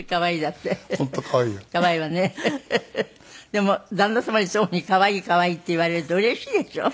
でも旦那様にそういうふうに「可愛い可愛い」って言われるとうれしいでしょ？